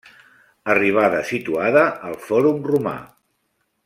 Arribada situada al Fòrum Romà.